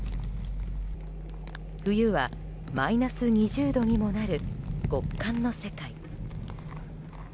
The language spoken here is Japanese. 冬はマイナス２０度にもなる極寒の世界。